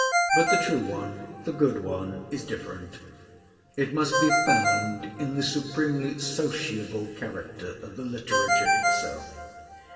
But the true one, the good one, is different: it must be found in the supremely sociable character of the literature itself.